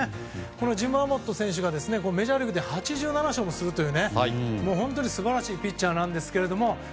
ジム・アボット選手がメジャーリーグで８７勝もする本当に素晴らしいピッチャーなんですけれども。